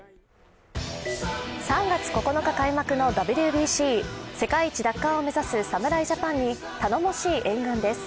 ３月９日開幕のＷＢＣ、世界一奪還を目指す侍ジャパンに頼もしい援軍です。